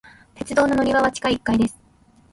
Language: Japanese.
鉄道の乗り場は地下一階です。